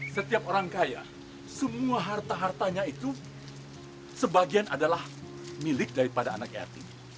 setiap orang kaya semua harta hartanya itu sebagian adalah milik daripada anak yatim